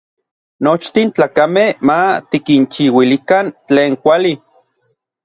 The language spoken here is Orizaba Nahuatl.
Nochtin tlakamej ma tikinchiuilikan tlen kuali.